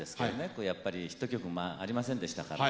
やっぱりヒット曲もありませんでしたから。